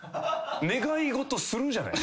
願い事するじゃない。